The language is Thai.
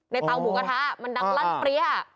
เตาหมูกระทะมันดังลั่นเปรี้ย